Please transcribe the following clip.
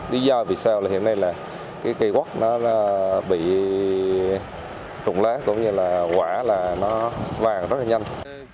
lý do vì sao hiện nay là cây quất bị trụng lá cũng như là quả vàng rất là nhanh